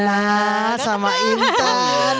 enggak kenal sama intan